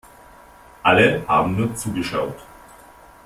Alle haben nur zugeschaut.